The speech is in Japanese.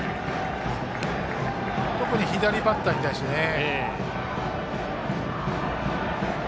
特に左バッターに対してね。